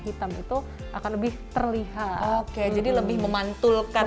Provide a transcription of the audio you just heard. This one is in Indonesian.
hitam itu akan lebih terlihat oke jadi lebih memantulkan